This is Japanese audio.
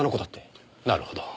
なるほど。